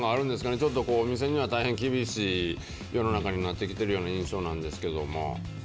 ちょっとこう、お店には大変厳しい世の中になってきているような印象なんですけれども。